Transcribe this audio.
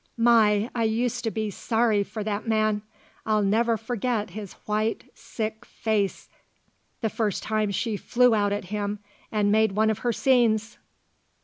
My! I used to be sorry for that man. I'll never forget his white, sick face the first time she flew out at him and made one of her scenes.